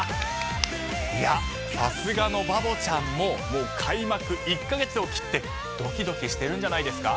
さすがのバボちゃんも開幕１カ月を切ってドキドキしてるんじゃないですか？